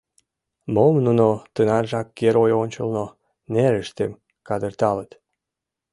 Мом нуно тынаржак Герой ончылно нерыштым кадыртылыт?